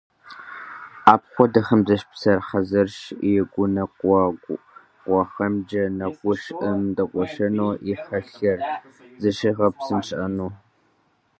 Апхуэдэхэм деж псэр хьэзырщ и гуныкъуэгъуэхэмкӀэ нэгъуэщӀым дэгуэшэну, и хьэлъэр зыщигъэпсынщӀэну.